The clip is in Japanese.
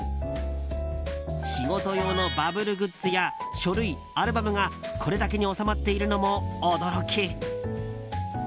仕事用のバブルグッズや書類、アルバムがこれだけに収まっているのも驚き。